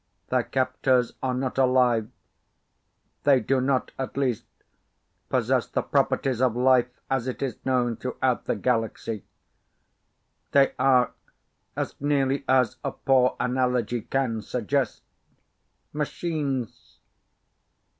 Their captors are not alive. They do not, at least, possess the properties of life as it is known throughout the galaxy. They are as nearly as a poor analogy can suggest Machines!